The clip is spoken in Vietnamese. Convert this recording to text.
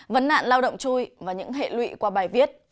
vấn nạn lao động chui và những hệ lụy qua bài viết